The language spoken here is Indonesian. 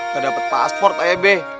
gak dapet paspor pak ebe